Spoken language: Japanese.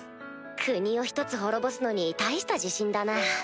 国を１つ滅ぼすのに大した自信だな。